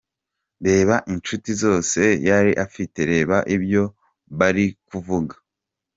Reba inshuti zose yari afite, reba ibyo bari kuvuga.